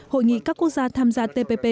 hội nghị các quốc gia tham gia tpp